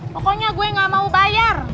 pokoknya gue gak mau bayar